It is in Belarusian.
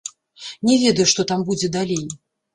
Не ведаю, што там будзе далей.